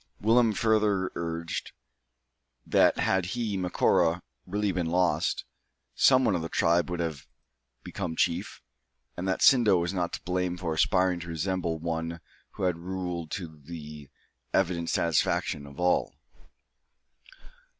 Willem further urged, that had he, Macora, really been lost, some one of the tribe would have become chief, and that Sindo was not to blame for aspiring to resemble one who had ruled to the evident satisfaction of all.